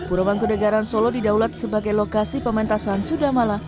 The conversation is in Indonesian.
uramanggunegaraan solo didaulat sebagai lokasi pementasan sudamala